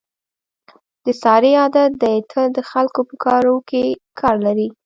د سارې عادت دی تل د خلکو په کاروکې کار لري.